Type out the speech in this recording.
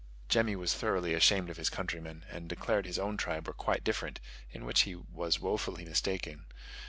Jemmy was thoroughly ashamed of his countrymen, and declared his own tribe were quite different, in which he was wofully mistaken.